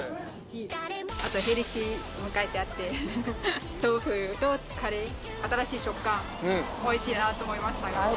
あとヘルシーも書いてあって、豆腐とカレー、新しい食感、おいしいなと思いました。